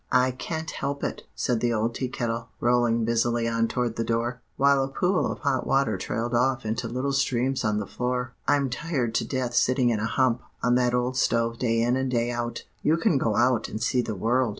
"'I can't help it,' said the old Tea Kettle, rolling busily on toward the door, while a pool of hot water trailed off into little streams on the floor. 'I'm tired to death sitting in a hump on that old stove day in and day out. You can go out and see the world.